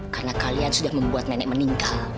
karena kalian sudah membuat nenek meninggal